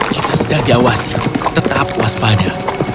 kita sudah diawasi tetap waspada